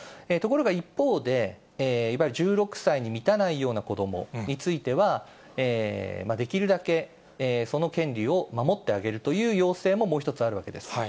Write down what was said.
ところが一方で、いわゆる１６歳に満たないような子どもについては、できるだけその権利を守ってあげるという要請ももう一つ、あるわけです。